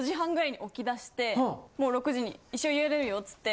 もう６時に一緒に家出るよつって。